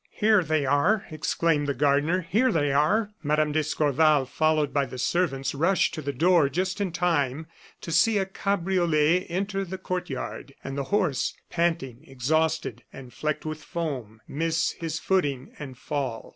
"Here they are!" exclaimed the gardener; "here they are!" Mme. d'Escorval, followed by the servants, rushed to the door just in time to see a cabriolet enter the court yard, and the horse, panting, exhausted, and flecked with foam, miss his footing, and fall.